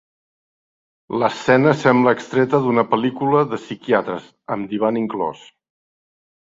L'escena sembla extreta d'una pel·lícula de psiquiatres, amb divan inclòs.